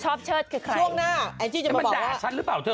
ชอบเชิดค่ะใครช่วงหน้าแอนชีจะมาบอกว่าแกมันด่าฉันหรือเปล่าเธอ